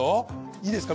いいですか？